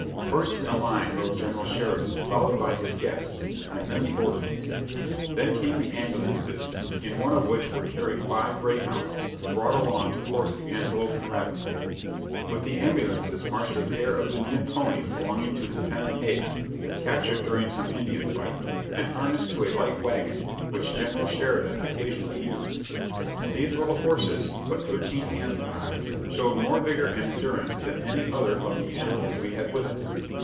First in the line rode General Sheridan, followed by his guests, and then the orderlies. Then came the ambulances, in one of which were carried five greyhounds, brought along to course the antelope and rabbit. With the ambulances marched a pair of Indian ponies belonging to Lieutenant Hayes captured during some Indian fight and harnessed to a light wagon, which General Sheridan occasionally used. These little horses, but thirteen hands high, showed more vigor and endurance than any other of the animals we had with us.